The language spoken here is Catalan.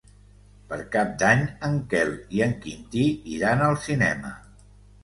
Per Cap d'Any en Quel i en Quintí iran al cinema.